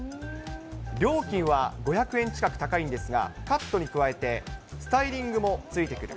料金は５００円近く高いんですが、カットに加えて、スタイリングもついてくる。